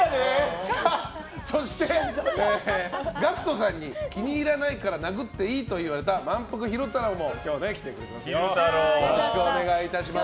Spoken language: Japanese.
そして、ＧＡＣＫＴさんに気に入らないから殴っていいと言われたまんぷく昼太郎も今日、来てくれています。